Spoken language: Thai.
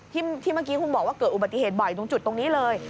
ที่เมื่อกี้คุณบอกว่าเกิดอุบัติเหตุบ่อยตรงจุดตรงนี้เลย